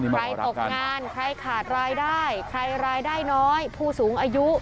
ตกงานใครขาดรายได้ใครรายได้น้อยผู้สูงอายุ